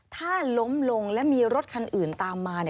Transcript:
ถ้าล้มลงและมีรถคันอื่นตามมา